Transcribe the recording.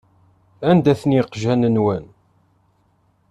Anda-ten yiqjan-nwen?